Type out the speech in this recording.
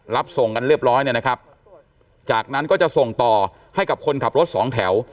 รับส่งกันเรียบร้อยเนี่ยนะครับจากนั้นก็จะส่งต่อให้กับคนขับรถสองแถว